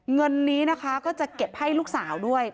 เงินนี้นะคะก็จะเก็บให้ลูกสาวด้วย